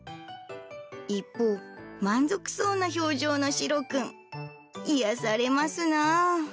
一方、満足そうな表情のシロくん、癒やされますなあ。